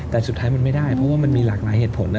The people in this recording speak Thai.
แต่สุดท้ายมันไม่ได้เพราะว่ามันมีหลากหลายเหตุผลนะ